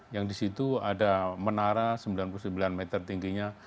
yang disitu ada menara sembilan puluh sembilan meter tingginya